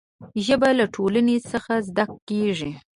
ژبه له ټولنې څخه زده کېږي.